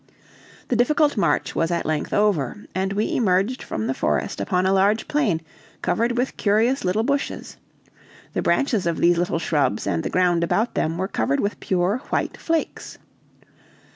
The difficult march was at length over, and we emerged from the forest upon a large plain covered with curious little bushes; the branches of these little shrubs and the ground about them were covered with pure white flakes.